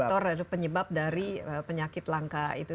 faktor atau penyebab dari penyakit langka itu ya